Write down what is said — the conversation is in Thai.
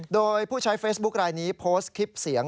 โดยผู้ใช้เฟซบุ๊คลายนี้โพสต์คลิปเสียง